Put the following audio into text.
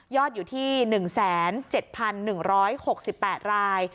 อดอยู่ที่๑๗๑๖๘ราย